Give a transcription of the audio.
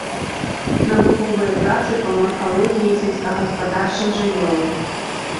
Навуковыя працы па марфалогіі сельскагаспадарчых жывёл.